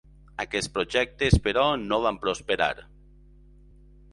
Aquests projectes, però, no van prosperar.